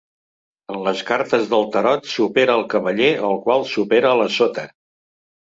En les cartes del tarot, supera al cavaller, el qual supera a la sota.